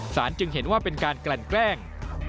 จึงเห็นว่าเป็นการกลั่นแกล้ง